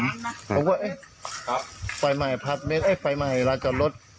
ผมก็เฮ้ยไฟใหม่ไฟใหม่รถจอดรถ